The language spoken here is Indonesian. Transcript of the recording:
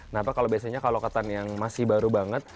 nah pak kalau biasanya ketan yang masih baru banget